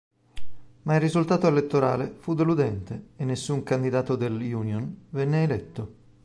Ma il risultato elettorale fu deludente e nessun candidato dell"'Union" venne eletto.